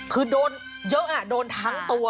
คือโดนเยอะโดนทั้งตัว